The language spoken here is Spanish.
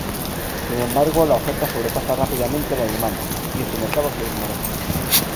Sin embargo la oferta sobrepasa rápidamente la demanda, y este mercado se desmorona.